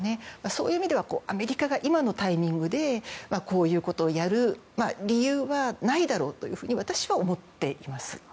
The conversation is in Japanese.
そういう意味ではアメリカが今のタイミングでこういうことをやる理由はないだろうと私は思っています。